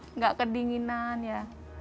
enggak kedinginan ya